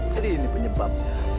jadi ini penyebab